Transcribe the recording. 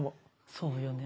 そうよね。